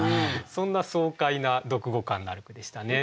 そんな爽快な読後感のある句でしたね。